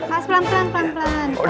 pas pelan pelan pelan pelan